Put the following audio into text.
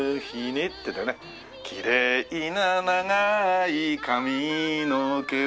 「きれいな長い髪の毛を」